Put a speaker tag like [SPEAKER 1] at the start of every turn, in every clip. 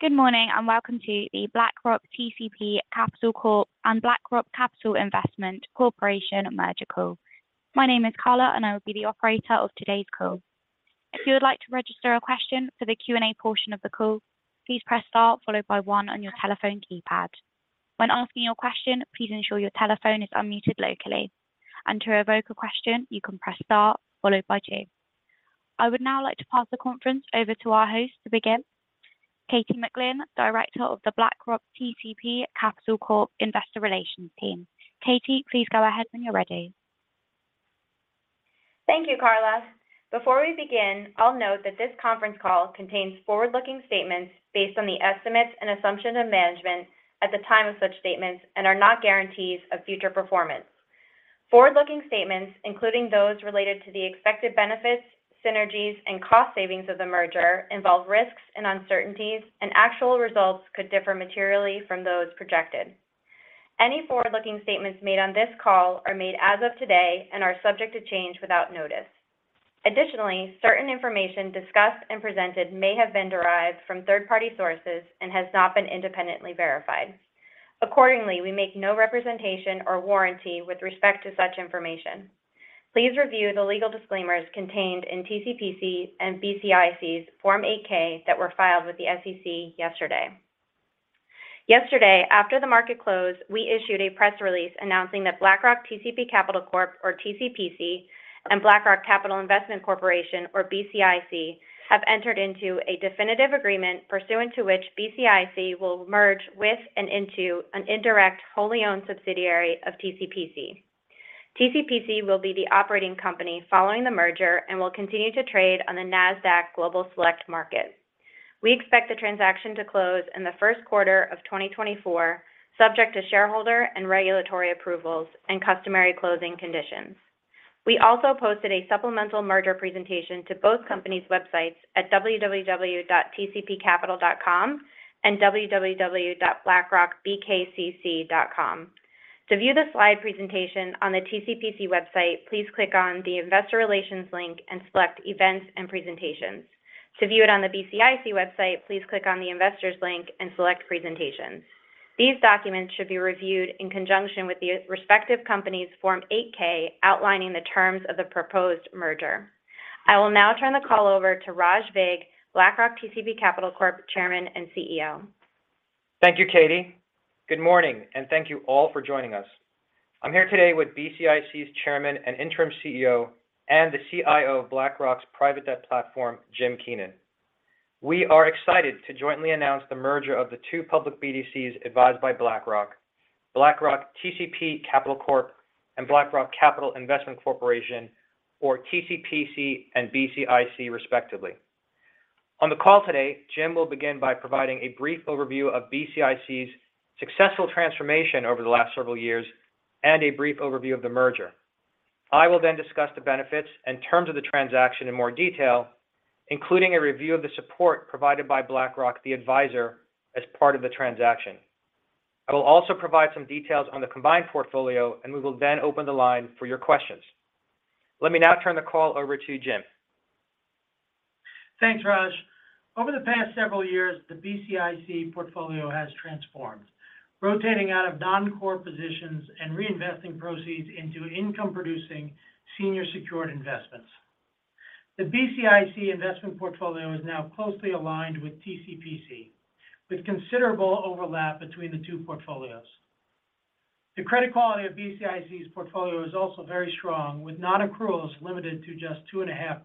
[SPEAKER 1] Good morning, and welcome to the BlackRock TCP Capital Corp and BlackRock Capital Investment Corporation Merger Call. My name is Carla, and I will be the Operator of today's call. If you would like to register a question for the Q&A portion of the call, please press star followed by one on your telephone keypad. When asking your question, please ensure your telephone is unmuted locally. And to revoke a question, you can press star followed by two. I would now like to pass the conference over to our host to begin, Katie McGlynn, Director of the BlackRock TCP Capital Corp Investor Relations team. Katie, please go ahead when you're ready.
[SPEAKER 2] Thank you, Carla. Before we begin, I'll note that this conference call contains forward-looking statements based on the estimates and assumptions of management at the time of such statements and are not guarantees of future performance. Forward-looking statements, including those related to the expected benefits, synergies, and cost savings of the merger, involve risks and uncertainties, and actual results could differ materially from those projected. Any forward-looking statements made on this call are made as of today and are subject to change without notice. Additionally, certain information discussed and presented may have been derived from third-party sources and has not been independently verified. Accordingly, we make no representation or warranty with respect to such information. Please review the legal disclaimers contained in TCPC and BCIC's Form 8-K that were filed with the SEC yesterday. Yesterday, after the market closed, we issued a press release announcing that BlackRock TCP Capital Corp, or TCPC, and BlackRock Capital Investment Corporation, or BCIC, have entered into a definitive agreement pursuant to which BCIC will merge with and into an indirect, wholly-owned subsidiary of TCPC. TCPC will be the operating company following the merger and will continue to trade on the NASDAQ Global Select Market. We expect the transaction to close in the first quarter of 2024, subject to shareholder and regulatory approvals and customary closing conditions. We also posted a supplemental merger presentation to both companies' websites at www.tcpcapital.com and www.blackrockbkcc.com. To view the slide presentation on the TCPC website, please click on the Investor Relations link and select Events and Presentations. To view it on the BCIC website, please click on the Investors link and select Presentations. These documents should be reviewed in conjunction with the respective companies' Form 8-K outlining the terms of the proposed merger. I will now turn the call over to Raj Vig, BlackRock TCP Capital Corp, Chairman and CEO.
[SPEAKER 3] Thank you, Katie. Good morning, and thank you all for joining us. I'm here today with BCIC's Chairman and Interim CEO and the CIO of BlackRock's private debt platform, Jim Keenan. We are excited to jointly announce the merger of the two public BDCs advised by BlackRock, BlackRock TCP Capital Corp and BlackRock Capital Investment Corporation, or TCPC and BCIC, respectively. On the call today, Jim will begin by providing a brief overview of BCIC's successful transformation over the last several years and a brief overview of the merger. I will then discuss the benefits and terms of the transaction in more detail, including a review of the support provided by BlackRock, the advisor, as part of the transaction. I will also provide some details on the combined portfolio, and we will then open the line for your questions. Let me now turn the call over to Jim.
[SPEAKER 4] Thanks, Raj. Over the past several years, the BCIC portfolio has transformed, rotating out of non-core positions and reinvesting proceeds into income-producing senior secured investments. The BCIC investment portfolio is now closely aligned with TCPC, with considerable overlap between the two portfolios. The credit quality of BCIC's portfolio is also very strong, with non-accruals limited to just 2.5%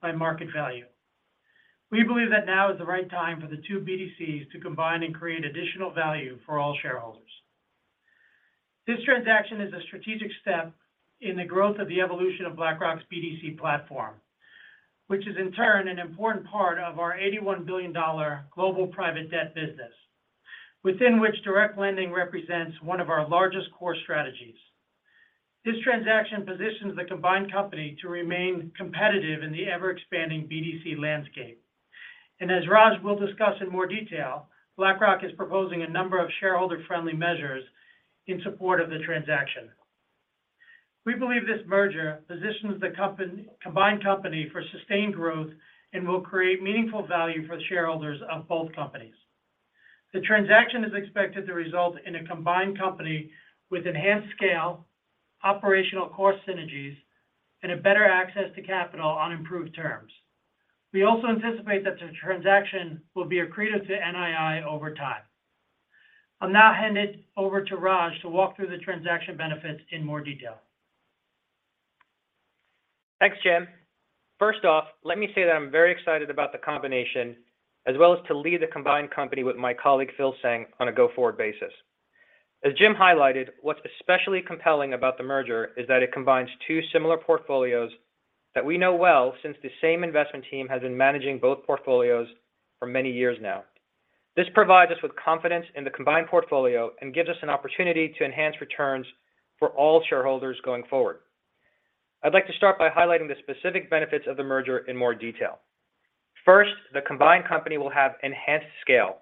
[SPEAKER 4] by market value. We believe that now is the right time for the two BDCs to combine and create additional value for all shareholders. This transaction is a strategic step in the growth of the evolution of BlackRock's BDC platform, which is in turn an important part of our $81 billion global private debt business, within which direct lending represents one of our largest core strategies. This transaction positions the combined company to remain competitive in the ever-expanding BDC landscape. As Raj will discuss in more detail, BlackRock is proposing a number of shareholder-friendly measures in support of the transaction. We believe this merger positions the combined company for sustained growth and will create meaningful value for the shareholders of both companies. The transaction is expected to result in a combined company with enhanced scale, operational core synergies, and a better access to capital on improved terms. We also anticipate that the transaction will be accretive to NII over time. I'll now hand it over to Raj to walk through the transaction benefits in more detail.
[SPEAKER 3] Thanks, Jim. First off, let me say that I'm very excited about the combination, as well as to lead the combined company with my colleague, Phil Tseng, on a go-forward basis. As Jim highlighted, what's especially compelling about the merger is that it combines two similar portfolios that we know well since the same investment team has been managing both portfolios for many years now. This provides us with confidence in the combined portfolio and gives us an opportunity to enhance returns for all shareholders going forward. I'd like to start by highlighting the specific benefits of the merger in more detail. First, the combined company will have enhanced scale...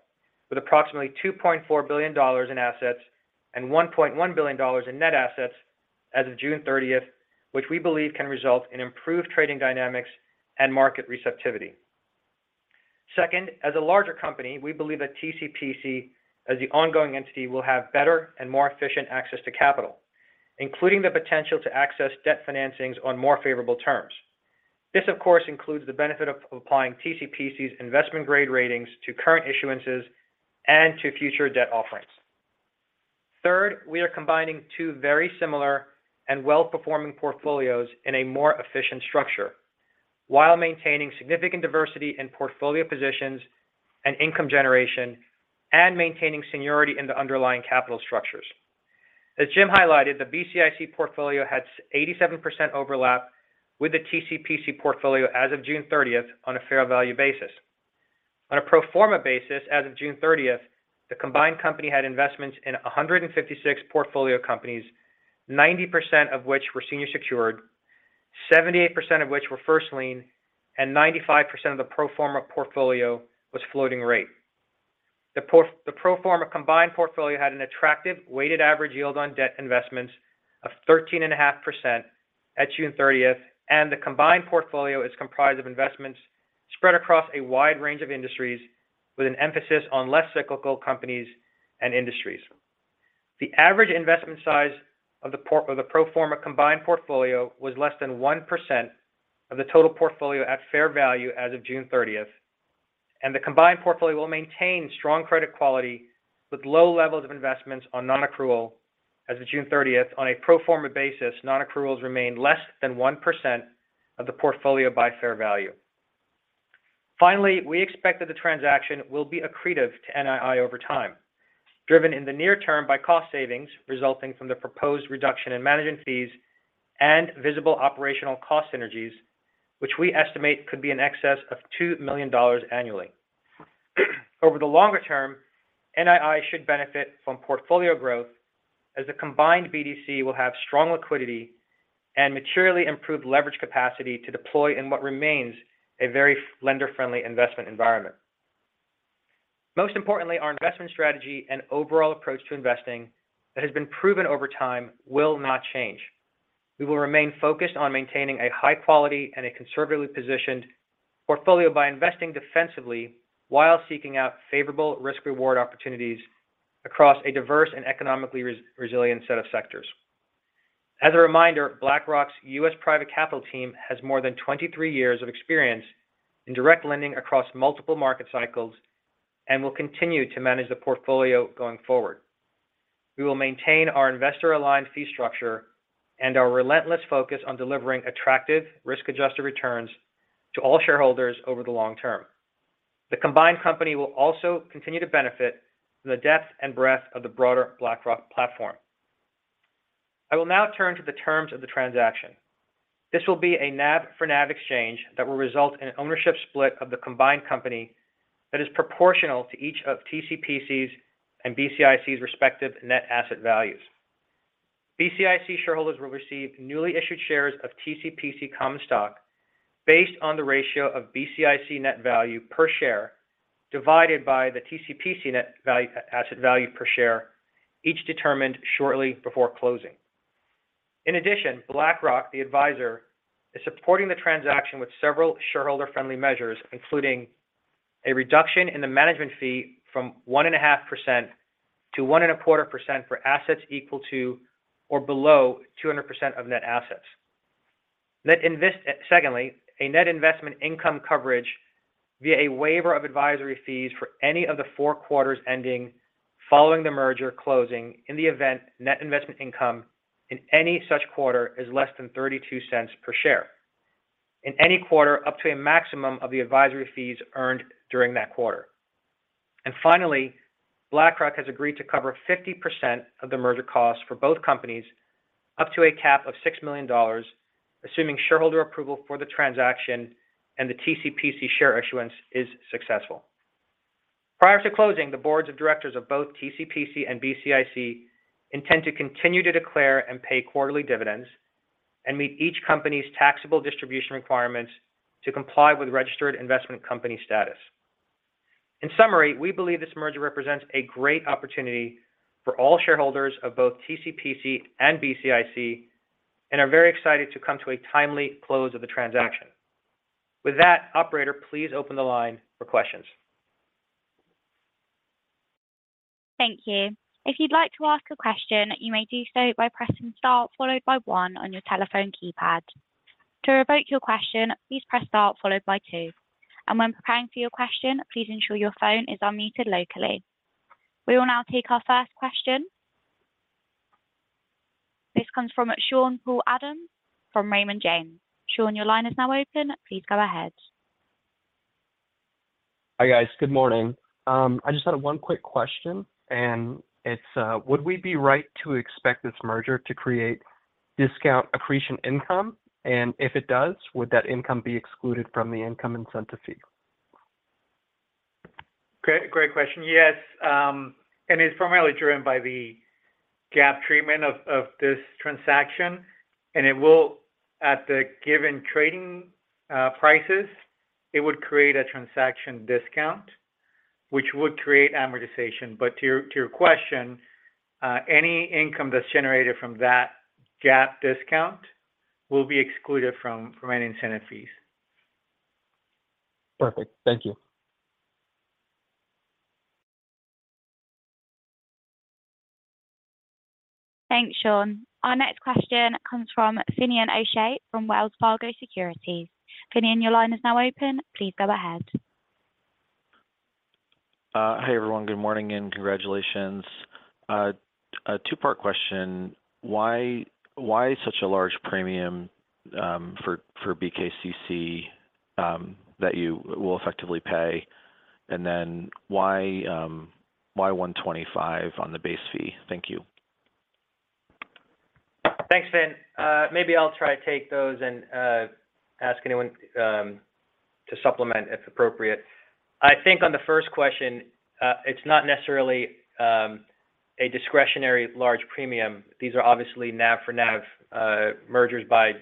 [SPEAKER 3] with approximately $2.4 billion in assets and $1.1 billion in net assets as of June 30th, which we believe can result in improved trading dynamics and market receptivity. Second, as a larger company, we believe that TCPC, as the ongoing entity, will have better and more efficient access to capital, including the potential to access debt financings on more favorable terms. This, of course, includes the benefit of applying TCPC's investment-grade ratings to current issuances and to future debt offerings. Third, we are combining two very similar and well-performing portfolios in a more efficient structure, while maintaining significant diversity in portfolio positions and income generation, and maintaining seniority in the underlying capital structures. As Jim highlighted, the BCIC portfolio had 87% overlap with the TCPC portfolio as of June 30th on a fair value basis. On a pro forma basis, as of June 30th, the combined company had investments in 156 portfolio companies, 90% of which were senior secured, 78% of which were first lien, and 95% of the pro forma portfolio was floating rate. The pro forma combined portfolio had an attractive weighted average yield on debt investments of 13.5% at June 30th, and the combined portfolio is comprised of investments spread across a wide range of industries with an emphasis on less cyclical companies and industries. The average investment size of the pro forma combined portfolio was less than 1% of the total portfolio at fair value as of June 30th, and the combined portfolio will maintain strong credit quality with low levels of investments on non-accrual as of June 30th. On a pro forma basis, non-accruals remain less than 1% of the portfolio by fair value. Finally, we expect that the transaction will be accretive to NII over time, driven in the near term by cost savings resulting from the proposed reduction in management fees and visible operational cost synergies, which we estimate could be in excess of $2 million annually. Over the longer term, NII should benefit from portfolio growth, as the combined BDC will have strong liquidity and materially improved leverage capacity to deploy in what remains a very lender-friendly investment environment. Most importantly, our investment strategy and overall approach to investing that has been proven over time will not change. We will remain focused on maintaining a high quality and a conservatively positioned portfolio by investing defensively while seeking out favorable risk-reward opportunities across a diverse and economically resilient set of sectors. As a reminder, BlackRock's U.S. Private Capital team has more than 23 years of experience in direct lending across multiple market cycles and will continue to manage the portfolio going forward. We will maintain our investor-aligned fee structure and our relentless focus on delivering attractive risk-adjusted returns to all shareholders over the long term. The combined company will also continue to benefit from the depth and breadth of the broader BlackRock platform. I will now turn to the terms of the transaction. This will be a NAV for NAV exchange that will result in an ownership split of the combined company that is proportional to each of TCPC's and BCIC's respective net asset values. BCIC shareholders will receive newly issued shares of TCPC common stock based on the ratio of BCIC net value per share, divided by the TCPC net value, asset value per share, each determined shortly before closing. In addition, BlackRock, the advisor, is supporting the transaction with several shareholder-friendly measures, including a reduction in the management fee from 1.5%-1.25% for assets equal to or below 200% of net assets. Secondly, a net investment income coverage via a waiver of advisory fees for any of the four quarters ending following the merger closing in the event net investment income in any such quarter is less than $0.32 per share, in any quarter, up to a maximum of the advisory fees earned during that quarter. And finally, BlackRock has agreed to cover 50% of the merger costs for both companies, up to a cap of $6 million, assuming shareholder approval for the transaction and the TCPC share issuance is successful. Prior to closing, the Boards of Directors of both TCPC and BCIC intend to continue to declare and pay quarterly dividends and meet each company's taxable distribution requirements to comply with registered investment company status. In summary, we believe this merger represents a great opportunity for all shareholders of both TCPC and BCIC and are very excited to come to a timely close of the transaction. With that, operator, please open the line for questions.
[SPEAKER 1] Thank you. If you'd like to ask a question, you may do so by pressing star followed by one on your telephone keypad. To revoke your question, please press star followed by two. And when preparing for your question, please ensure your phone is unmuted locally. We will now take our first question. This comes from Sean-Paul Adams from Raymond James. Sean, your line is now open. Please go ahead.
[SPEAKER 5] Hi, guys. Good morning. I just had one quick question, and it's, would we be right to expect this merger to create discount accretion income? And if it does, would that income be excluded from the income incentive fee?
[SPEAKER 3] Great, great question. Yes, and it's primarily driven by the GAAP treatment of this transaction, and it will, at the given trading prices, create a transaction discount, which would create amortization. But to your question, any income that's generated from that GAAP discount will be excluded from any incentive fees.
[SPEAKER 5] Perfect. Thank you.
[SPEAKER 1] Thanks, Sean. Our next question comes from Finian O'Shea from Wells Fargo Securities. Finian, your line is now open. Please go ahead.
[SPEAKER 6] Hey, everyone. Good morning, and congratulations. A two-part question: why such a large premium for BKCC that you will effectively pay? And then why 1.25% on the base fee? Thank you.
[SPEAKER 3] Thanks, Finian. Maybe I'll try to take those and ask anyone to supplement, if appropriate. I think on the first question, it's not necessarily a discretionary large premium. These are obviously NAV for NAV mergers by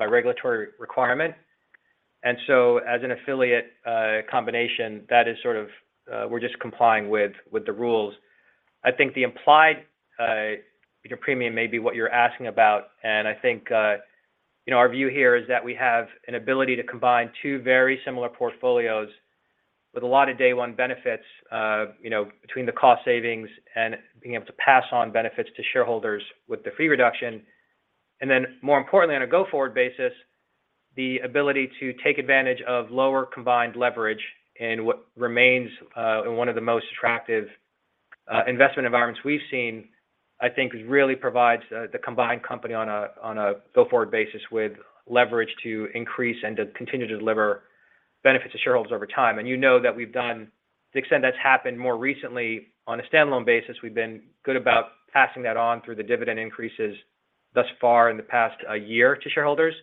[SPEAKER 3] regulatory requirement. And so as an affiliate combination, that is sort of we're just complying with the rules. I think the implied, you know, premium may be what you're asking about. And I think, you know, our view here is that we have an ability to combine two very similar portfolios with a lot of day-one benefits, you know, between the cost savings and being able to pass on benefits to shareholders with the fee reduction. And then, more importantly, on a go-forward basis, the ability to take advantage of lower combined leverage in what remains in one of the most attractive investment environments we've seen, I think really provides the combined company on a go-forward basis with leverage to increase and to continue to deliver benefits to shareholders over time. And you know that we've done—the extent that's happened more recently on a standalone basis, we've been good about passing that on through the dividend increases thus far in the past year to shareholders.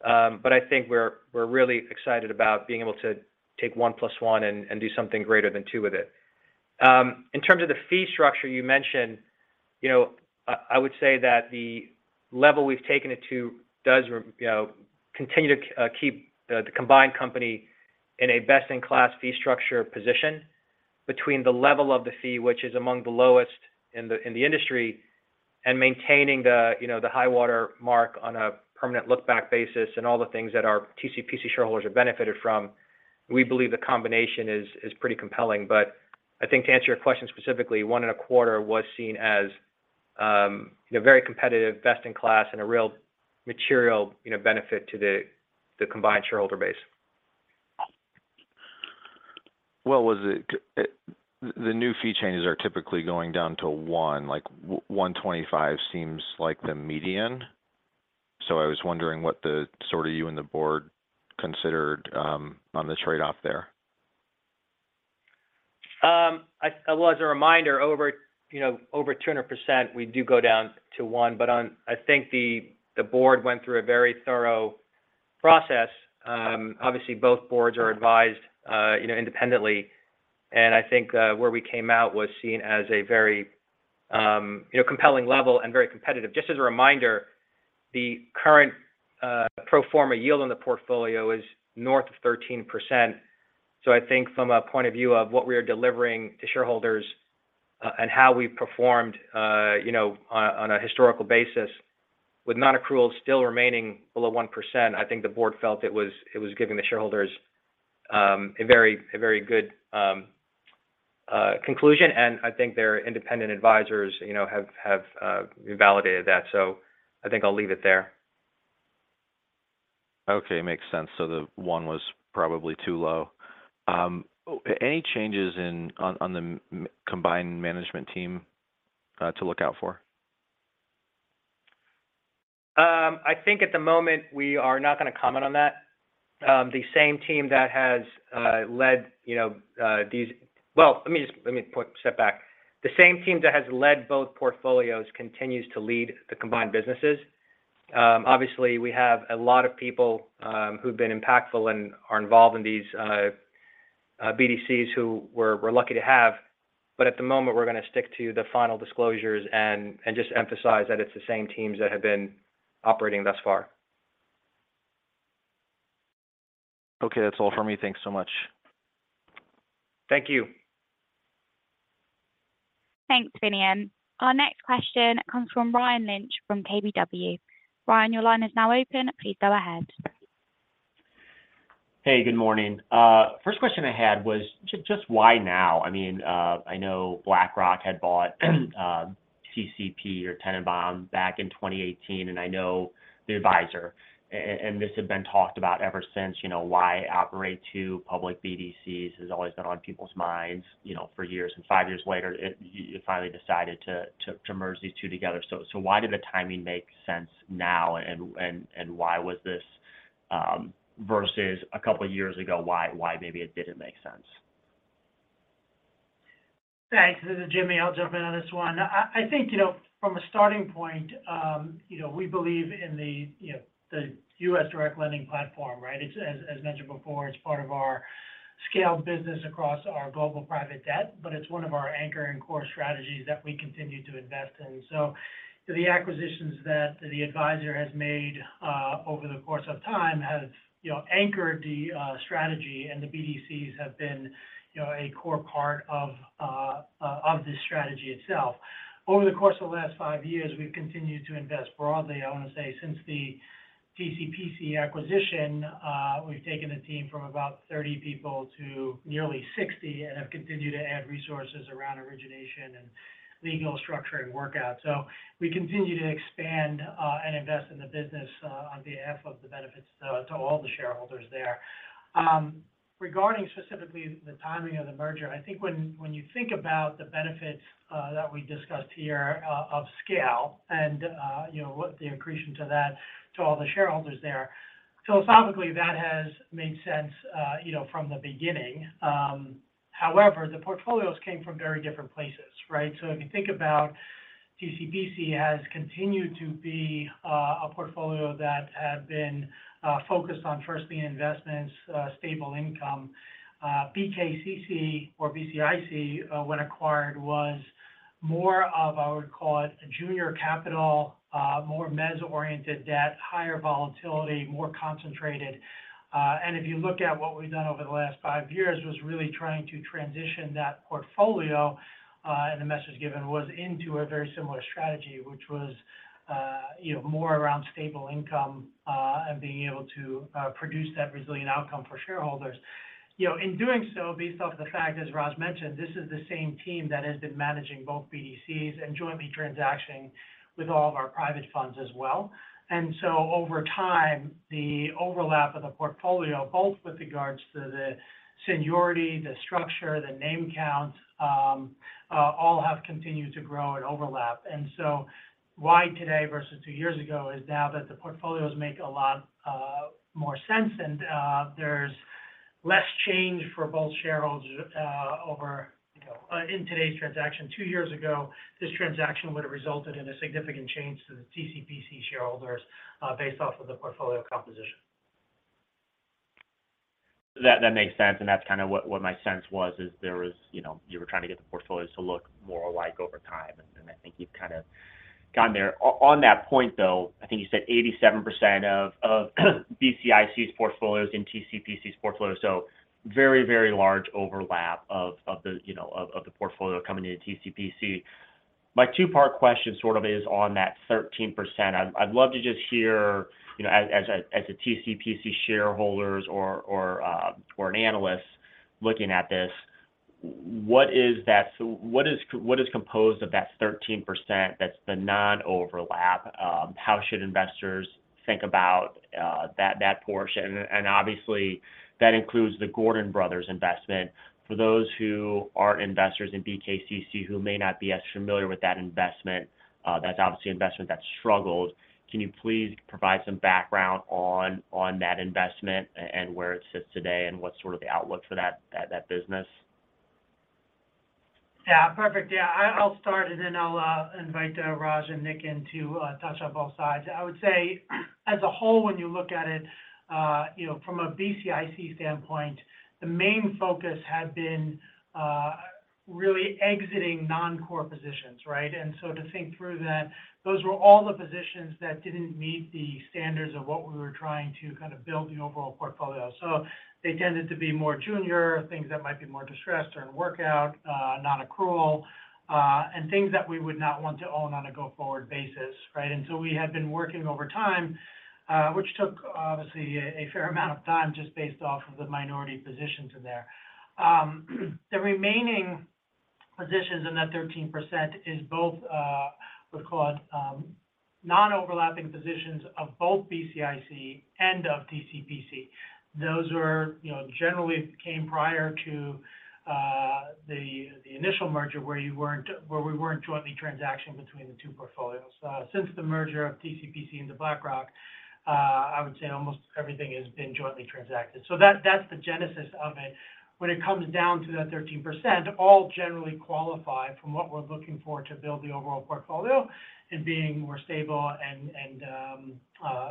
[SPEAKER 3] But I think we're really excited about being able to take one plus one and do something greater than two with it. In terms of the fee structure you mentioned, you know, I would say that the level we've taken it to does you know, continue to keep the combined company in a best-in-class fee structure position between the level of the fee, which is among the lowest in the industry, and maintaining the you know, the high water mark on a permanent look-back basis and all the things that our TCPC shareholders have benefited from. We believe the combination is pretty compelling. But I think to answer your question specifically, 1.25% was seen as you know, very competitive, best in class and a real material you know, benefit to the combined shareholder base.
[SPEAKER 6] Well, the new fee changes are typically going down to 1%, like 1.25% seems like the median. So I was wondering what sort of you and the Board considered on the trade-off there.
[SPEAKER 3] Well, as a reminder, over, you know, over 200%, we do go down to one. But I think the Board went through a very thorough process. Obviously, both Boards are advised, you know, independently, and I think where we came out was seen as a very, you know, compelling level and very competitive. Just as a reminder, the current pro forma yield on the portfolio is north of 13%. So I think from a point of view of what we are delivering to shareholders and how we've performed, you know, on a historical basis with non-accrual still remaining below 1%, I think the Board felt it was giving the shareholders a very good conclusion, and I think their independent advisors, you know, have validated that. So I think I'll leave it there.
[SPEAKER 6] Okay, makes sense. So the one was probably too low. Any changes in the combined management team to look out for?
[SPEAKER 3] I think at the moment we are not going to comment on that. The same team that has led both portfolios continues to lead the combined businesses. Obviously, we have a lot of people who've been impactful and are involved in these BDCs who we're lucky to have, but at the moment, we're going to stick to the final disclosures and just emphasize that it's the same teams that have been operating thus far.
[SPEAKER 6] Okay, that's all for me. Thanks so much.
[SPEAKER 3] Thank you.
[SPEAKER 1] Thanks, Finian. Our next question comes from Ryan Lynch from KBW. Ryan, your line is now open. Please go ahead.
[SPEAKER 7] Hey, good morning. First question I had was just why now? I mean, I know BlackRock had bought Tennenbaum back in 2018, and I know the advisor, and this had been talked about ever since, you know, why operate two public BDCs has always been on people's minds, you know, for years. And five years later, you finally decided to, to, to merge these two together. Why did the timing make sense now? And why was this, you know, versus a couple of years ago, why, why maybe it didn't make sense?
[SPEAKER 4] Thanks. This is Jimmy. I'll jump in on this one. I think, you know, from a starting point, you know, we believe in the, you know, the U.S. direct lending platform, right? It's as mentioned before, it's part of our scaled business across our global private debt, but it's one of our anchor and core strategies that we continue to invest in. So the acquisitions that the advisor has made over the course of time has, you know, anchored the strategy, and the BDCs have been, you know, a core part of of this strategy itself. Over the course of the last five years, we've continued to invest broadly. I want to say, since the TCPC acquisition, we've taken the team from about 30 people to nearly 60 and have continued to add resources around origination and legal structure and workout. So we continue to expand, and invest in the business, on behalf of the benefits to, to all the shareholders there. Regarding specifically the timing of the merger, I think when, when you think about the benefits, that we discussed here, of scale and, you know, what the accretion to that, to all the shareholders there, philosophically, that has made sense, you know, from the beginning. However, the portfolios came from very different places, right? So if you think about TCPC has continued to be, a portfolio that had been, focused on first lien investments, stable income. BKCC or BCIC, when acquired, was more of, I would call it, a junior capital, more mezz-oriented debt, higher volatility, more concentrated. And if you look at what we've done over the last five years, was really trying to transition that portfolio, and the message given was into a very similar strategy, which was, you know, more around stable income, and being able to produce that resilient outcome for shareholders. You know, in doing so, based off the fact, as Raj mentioned, this is the same team that has been managing both BDCs and jointly transactioning with all of our private funds as well. And so over time, the overlap of the portfolio, both with regards to the seniority, the structure, the name count, all have continued to grow and overlap. And so why today versus two years ago is now that the portfolios make a lot more sense, and there's less change for both shareholders over you know in today's transaction. Two years ago, this transaction would have resulted in a significant change to the TCPC shareholders based off of the portfolio composition.
[SPEAKER 7] That makes sense, and that's kind of what my sense was, is there was—you know, you were trying to get the portfolios to look more alike over time, and I think you've kind of gotten there. On that point, though, I think you said 87% of BCIC's portfolios in TCPC's portfolio, so very, very large overlap of the, you know, of the portfolio coming into TCPC. My two-part question sort of is on that 13%. I'd love to just hear, you know, as a TCPC shareholder or an analyst looking at this, what is that—so what is composed of that 13%, that's the non-overlap? How should investors think about that portion? And obviously, that includes the Gordon Brothers investment. For those who aren't investors in BKCC, who may not be as familiar with that investment, that's obviously an investment that struggled. Can you please provide some background on that investment and where it sits today, and what's sort of the outlook for that business?
[SPEAKER 4] Yeah, perfect. Yeah, I, I'll start, and then I'll invite Raj and Nik in to touch on both sides. I would say, as a whole, when you look at it, you know, from a BCIC standpoint, the main focus had been really exiting non-core positions, right? And so to think through that, those were all the positions that didn't meet the standards of what we were trying to kind of build the overall portfolio. So they tended to be more junior, things that might be more distressed or in workout, non-accrual, and things that we would not want to own on a go-forward basis, right? And so we had been working over time, which took, obviously, a fair amount of time just based off of the minority positions in there. The remaining positions in that 13% is both, what we call it, non-overlapping positions of both BCIC and of TCPC. Those were, you know, generally came prior to, the, the initial merger, where you weren't where we weren't jointly transacting between the two portfolios. Since the merger of TCPC into BlackRock, I would say almost everything has been jointly transacted. So that's the genesis of it. When it comes down to that 13%, all generally qualify from what we're looking for to build the overall portfolio and being more stable and, and,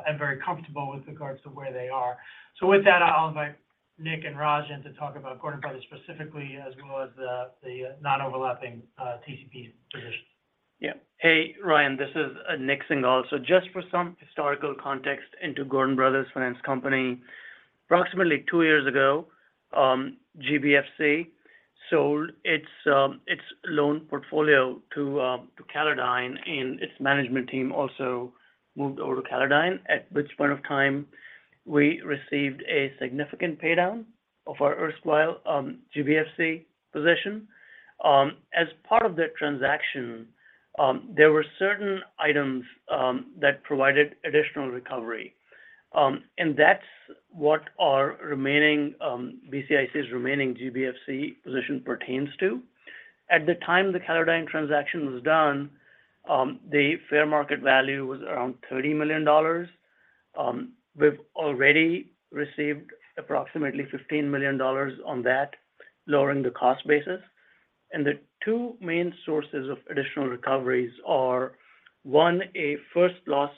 [SPEAKER 4] and very comfortable with regards to where they are. So with that, I'll invite Nik and Raj in to talk about Gordon Brothers specifically, as well as the, the, non-overlapping, TCP positions.
[SPEAKER 8] Yeah. Hey, Ryan, this is Nik Singhal. So just for some historical context into Gordon Brothers Finance Company, approximately two years ago, GBFC sold its loan portfolio to Callodine, and its management team also moved over to Callodine, at which point of time we received a significant paydown of our erstwhile GBFC position. As part of that transaction, there were certain items that provided additional recovery, and that's what our remaining BCIC's remaining GBFC position pertains to. At the time the Callodine transaction was done, the fair market value was around $30 million. We've already received approximately $15 million on that, lowering the cost basis. The two main sources of additional recoveries are, one, a first loss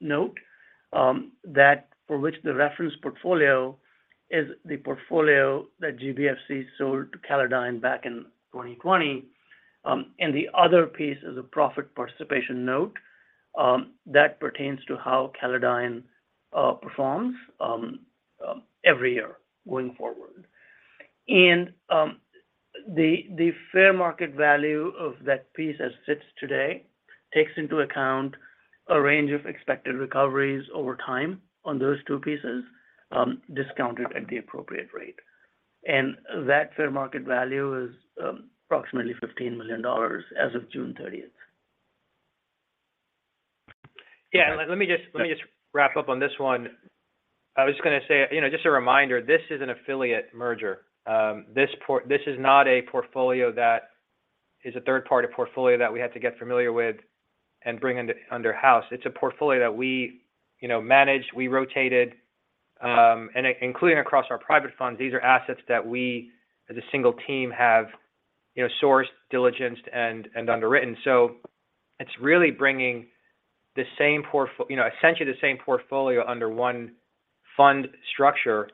[SPEAKER 8] note that for which the reference portfolio is the portfolio that GBFC sold to Callodine back in 2020. And the other piece is a profit participation note that pertains to how Callodine performs every year going forward. The fair market value of that piece as sits today takes into account a range of expected recoveries over time on those two pieces, discounted at the appropriate rate. And that fair market value is approximately $15 million as of June 30th.
[SPEAKER 3] Yeah. Let me just wrap up on this one. I was just going to say, you know, just a reminder, this is an affiliate merger. This is not a portfolio that is a third-party portfolio that we had to get familiar with and bring under house. It's a portfolio that we, you know, managed, we rotated, and including across our private funds, these are assets that we, as a single team, have, you know, sourced, diligenced, and underwritten. So it's really bringing the same portfolio, you know, essentially the same portfolio under one fund structure,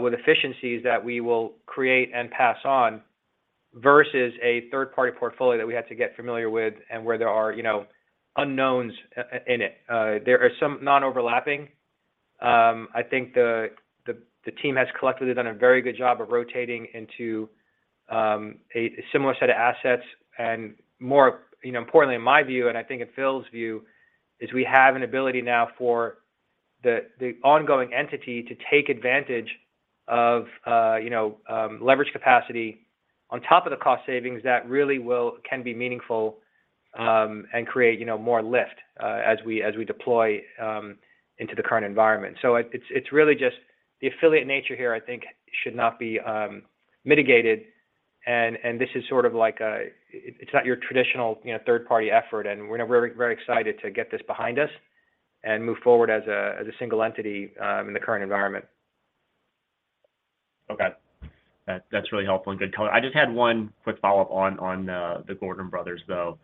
[SPEAKER 3] with efficiencies that we will create and pass on, versus a third-party portfolio that we had to get familiar with and where there are, you know, unknowns in it. There are some non-overlapping. I think the team has collectively done a very good job of rotating into a similar set of assets. And more, you know, importantly, in my view, and I think in Phil's view, is we have an ability now for the ongoing entity to take advantage of, you know, leverage capacity on top of the cost savings that really will—can be meaningful, and create, you know, more lift, as we deploy into the current environment. So it's really just the affiliate nature here, I think, should not be mitigated. And this is sort of like a... It's not your traditional, you know, third-party effort, and we're very, very excited to get this behind us and move forward as a single entity in the current environment.
[SPEAKER 7] Okay. That's really helpful and good color. I just had one quick follow-up on the Gordon Brothers, though.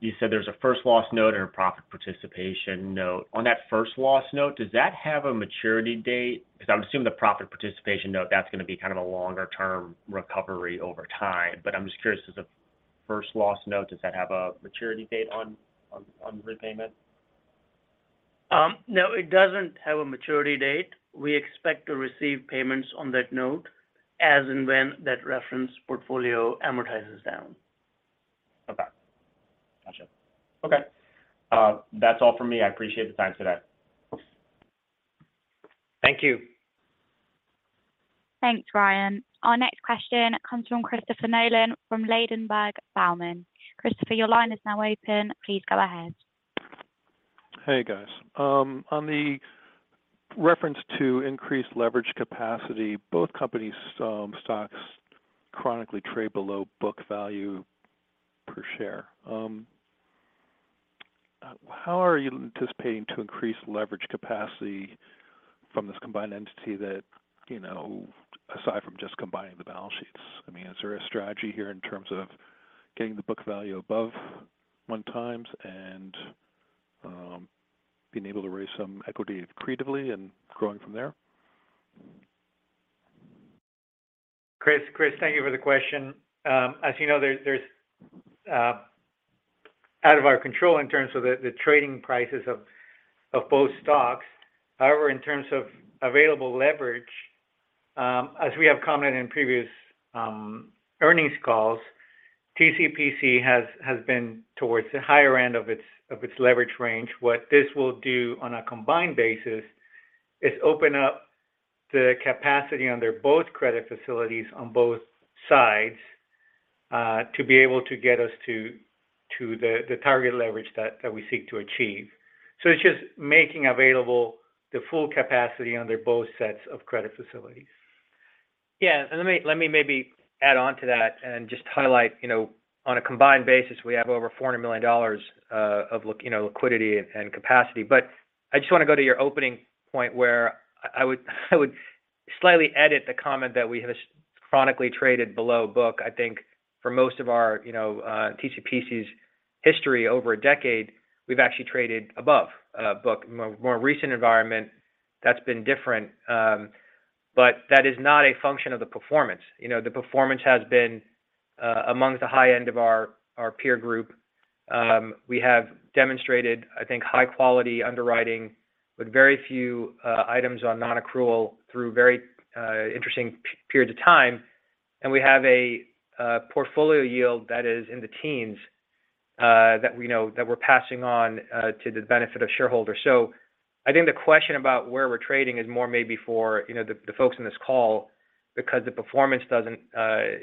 [SPEAKER 7] You said there's a first loss note and a profit participation note. On that first loss note, does that have a maturity date? Because I'm assuming the profit participation note, that's going to be kind of a longer-term recovery over time. But I'm just curious, does the first loss note have a maturity date on repayment?
[SPEAKER 8] No, it doesn't have a maturity date. We expect to receive payments on that note, as and when that reference portfolio amortizes down.
[SPEAKER 7] Okay. Got you Okay. That's all for me. I appreciate the time today.
[SPEAKER 8] Thank you.
[SPEAKER 1] Thanks, Ryan. Our next question comes from Christopher Nolan from Ladenburg Thalmann. Christopher, your line is now open. Please go ahead.
[SPEAKER 9] Hey, guys. On the reference to increased leverage capacity, both companies stocks chronically trade below book value per share. How are you anticipating to increase leverage capacity from this combined entity that, you know, aside from just combining the balance sheets? I mean, is there a strategy here in terms of getting the book value above one times and being able to raise some equity creatively and growing from there?
[SPEAKER 10] Chris, Chris, thank you for the question. As you know, there's out of our control in terms of the trading prices of both stocks. However, in terms of available leverage, as we have commented in previous earnings calls, TCPC has been towards the higher end of its leverage range. What this will do on a combined basis is open up the capacity under both credit facilities on both sides to be able to get us to the target leverage that we seek to achieve. So it's just making available the full capacity under both sets of credit facilities.
[SPEAKER 3] Yeah, and let me maybe add on to that and just highlight, you know, on a combined basis, we have over $400 million of liquidity and capacity. But I just want to go to your opening point where I would slightly edit the comment that we have chronically traded below book. I think for most of our, you know, TCPC's history, over a decade, we've actually traded above book. More recent environment, that's been different, but that is not a function of the performance. You know, the performance has been amongst the high end of our peer group. We have demonstrated, I think, high quality underwriting with very few items on non-accrual through very interesting periods of time. We have a portfolio yield that is in the teens, that we know that we're passing on to the benefit of shareholders. So I think the question about where we're trading is more maybe for, you know, the folks on this call because the performance doesn't,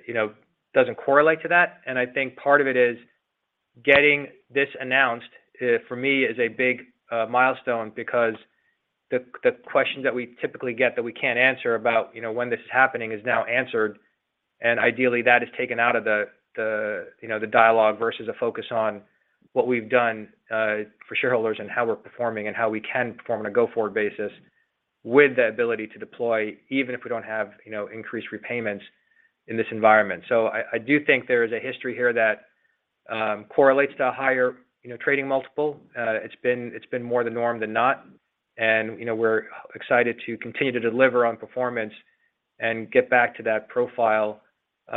[SPEAKER 3] you know, doesn't correlate to that. And I think part of it is getting this announced, for me, is a big milestone because the question that we typically get that we can't answer about, you know, when this is happening, is now answered. And ideally, that is taken out of the, you know, the dialogue versus a focus on what we've done for shareholders and how we're performing, and how we can perform on a go-forward basis. with the ability to deploy, even if we don't have, you know, increased repayments in this environment. So I do think there is a history here that correlates to a higher, you know, trading multiple. It's been more the norm than not, and, you know, we're excited to continue to deliver on performance and get back to that profile,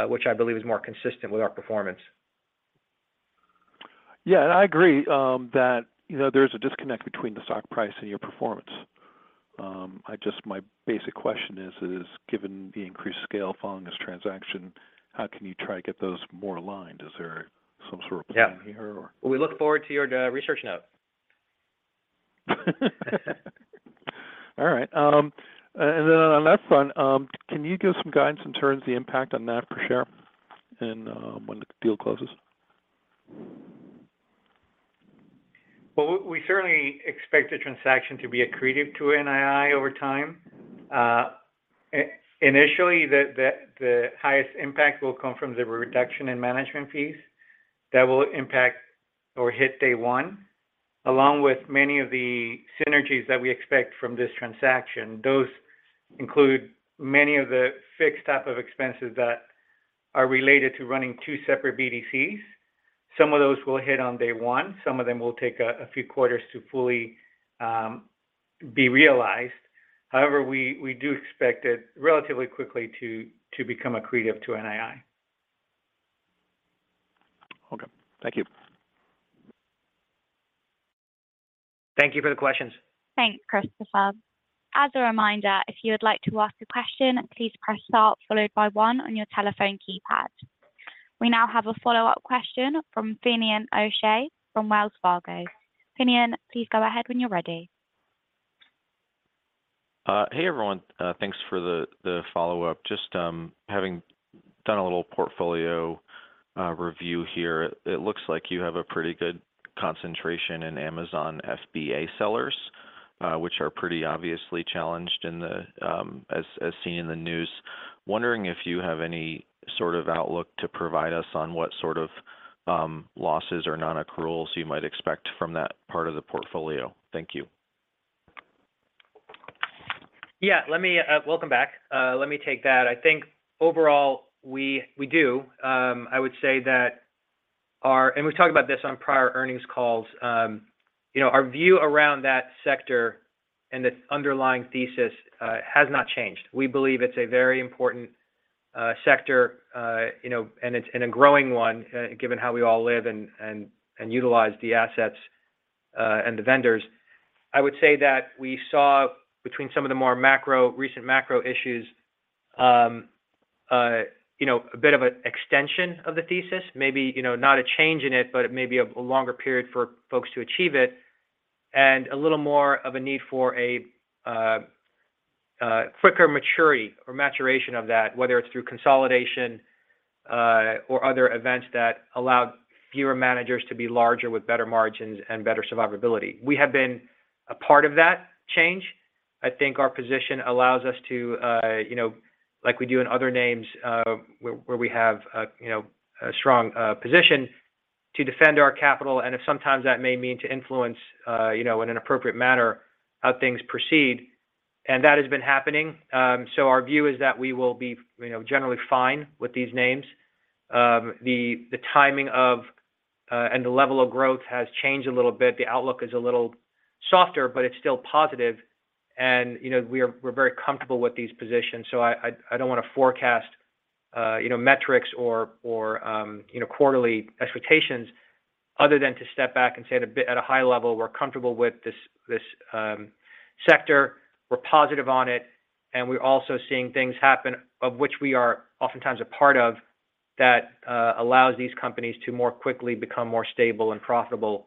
[SPEAKER 3] which I believe is more consistent with our performance.
[SPEAKER 9] Yeah, and I agree, that, you know, there's a disconnect between the stock price and your performance. I just- my basic question is, is given the increased scale following this transaction, how can you try to get those more aligned? Is there some sort of plan here or-
[SPEAKER 3] Yeah. We look forward to your research note.
[SPEAKER 9] All right. And then on the leverage front, can you give some guidance in terms of the impact on NAV per share and when the deal closes?
[SPEAKER 10] Well, we certainly expect the transaction to be accretive to NII over time. Initially, the highest impact will come from the reduction in management fees. That will impact or hit day one, along with many of the synergies that we expect from this transaction. Those include many of the fixed type of expenses that are related to running two separate BDCs. Some of those will hit on day one. Some of them will take a few quarters to fully be realized. However, we do expect it relatively quickly to become accretive to NII.
[SPEAKER 9] Okay. Thank you.
[SPEAKER 3] Thank you for the questions.
[SPEAKER 1] Thanks, Christopher. As a reminder, if you would like to ask a question, please press star followed by one on your telephone keypad. We now have a follow-up question from Finian O'Shea from Wells Fargo. Finian, please go ahead when you're ready.
[SPEAKER 6] Hey, everyone. Thanks for the follow-up. Just having done a little portfolio review here, it looks like you have a pretty good concentration in Amazon FBA sellers, which are pretty obviously challenged as seen in the news. Wondering if you have any sort of outlook to provide us on what sort of losses or non-accruals you might expect from that part of the portfolio? Thank you.
[SPEAKER 3] Yeah, let me. Welcome back. Let me take that. I think overall, we do. I would say that our - and we've talked about this on prior earnings calls. You know, our view around that sector and its underlying thesis has not changed. We believe it's a very important sector, you know, and it's a growing one, given how we all live and utilize the assets and the vendors. I would say that we saw between some of the more macro, recent macro issues, you know, a bit of an extension of the thesis, maybe, you know, not a change in it, but maybe a longer period for folks to achieve it, and a little more of a need for a quicker maturity or maturation of that, whether it's through consolidation, or other events that allow fewer managers to be larger with better margins and better survivability. We have been a part of that change. I think our position allows us to, you know, like we do in other names, where we have a strong position to defend our capital, and if sometimes that may mean to influence, you know, in an appropriate manner, how things proceed, and that has been happening. So our view is that we will be, you know, generally fine with these names. The timing of and the level of growth has changed a little bit. The outlook is a little softer, but it's still positive and, you know, we're very comfortable with these positions, so I don't want to forecast, you know, metrics or, you know, quarterly expectations other than to step back and say at a high level, we're comfortable with this sector. We're positive on it, and we're also seeing things happen, of which we are oftentimes a part of, that allows these companies to more quickly become more stable and profitable,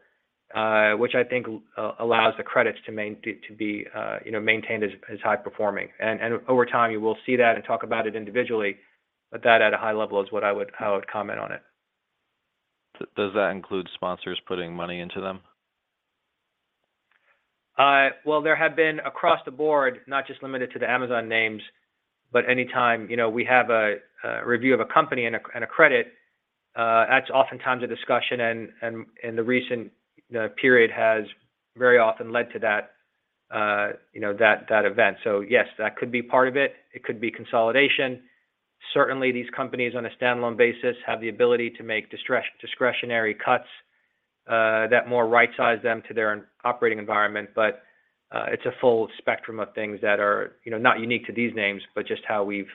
[SPEAKER 3] which I think allows the credits to be, you know, maintained as high performing. And over time, you will see that and talk about it individually, but that at a high level is what I would- how I would comment on it.
[SPEAKER 6] Does that include sponsors putting money into them?
[SPEAKER 3] Well, there have been across the board, not just limited to the Amazon names, but anytime, you know, we have a review of a company and a credit, that's oftentimes a discussion, and the recent period has very often led to that, you know, that event. So yes, that could be part of it. It could be consolidation. Certainly, these companies, on a standalone basis, have the ability to make discretionary cuts, that more rightsize them to their operating environment. But, it's a full spectrum of things that are, you know, not unique to these names, but just how we've,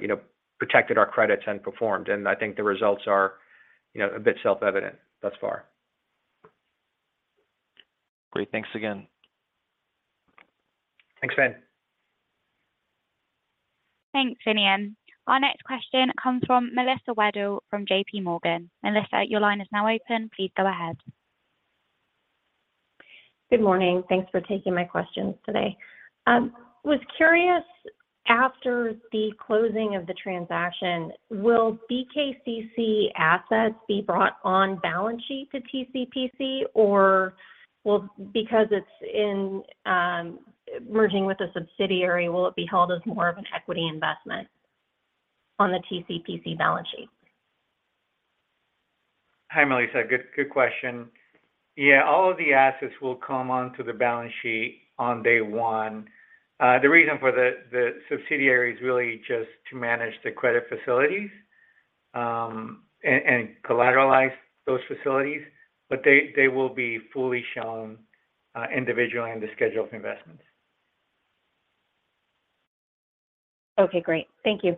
[SPEAKER 3] you know, protected our credits and performed. And I think the results are, you know, a bit self-evident thus far.
[SPEAKER 6] Great. Thanks again.
[SPEAKER 3] Thanks, Fin.
[SPEAKER 1] Thanks, Finian. Our next question comes from Melissa Wedel from J.P. Morgan. Melissa, your line is now open. Please go ahead.
[SPEAKER 11] Good morning. Thanks for taking my questions today. Was curious, after the closing of the transaction, will BKCC assets be brought on balance sheet to TCPC, or will, because it's in, merging with a subsidiary, will it be held as more of an equity investment on the TCPC balance sheet?
[SPEAKER 10] Hi, Melissa. Good, good question. Yeah, all of the assets will come onto the balance sheet on day one. The reason for the subsidiary is really just to manage the credit facilities, and collateralize those facilities, but they will be fully shown, individually in the schedule of investments.
[SPEAKER 11] Okay, great. Thank you.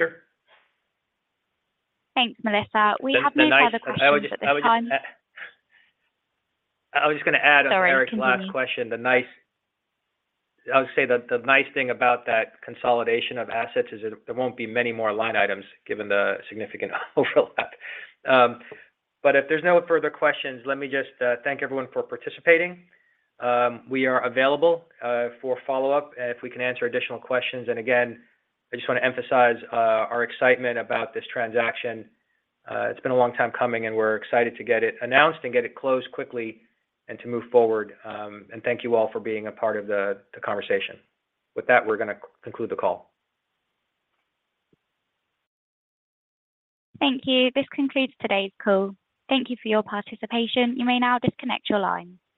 [SPEAKER 10] Sure.
[SPEAKER 1] Thanks, Melissa. We have no other questions at this time.
[SPEAKER 3] I was just going to add on Eric's last question.
[SPEAKER 1] Sorry, continue.
[SPEAKER 3] The nice thing about that consolidation of assets is that there won't be many more line items, given the significant overlap. But if there's no further questions, let me just thank everyone for participating. We are available for follow-up if we can answer additional questions. And again, I just want to emphasize our excitement about this transaction. It's been a long time coming, and we're excited to get it announced and get it closed quickly and to move forward. And thank you all for being a part of the conversation. With that, we're going to conclude the call.
[SPEAKER 1] Thank you. This concludes today's call. Thank you for your participation. You may now disconnect your line.